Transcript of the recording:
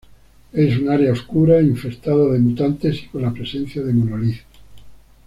Es un área oscura, infestada de mutantes y con la presencia de Monolith.